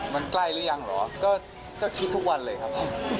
มันใกล้หรือยังเหรอก็คิดทุกวันเลยครับ